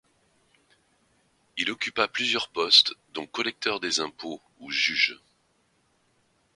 Il occupa plusieurs postes, dont collecteur des impôts ou juge.